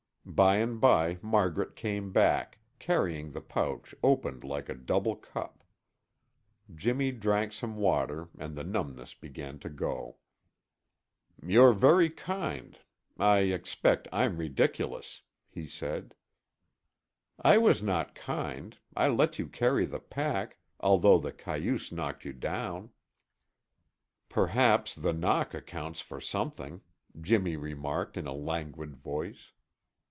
By and by Margaret came back, carrying the pouch opened like a double cup. Jimmy drank some water and the numbness began to go. "You're very kind. I expect I'm ridiculous," he said. "I was not kind. I let you carry the pack, although the cayuse knocked you down." "Perhaps the knock accounts for something," Jimmy remarked in a languid voice.